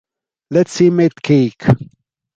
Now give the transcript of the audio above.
Let 'Em Eat Cake!